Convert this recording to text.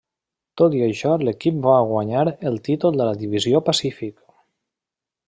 Tot i això l'equip va guanyar el títol de la Divisió Pacífic.